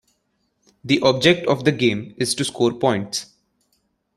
The object of the game is to score points.